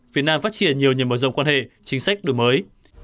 việt nam phát triển nhiều nhờ mở rộng quan hệ chính sách được mới